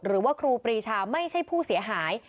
หรือว่าครูปรีชาไม่ใช่ผู้เสียหาย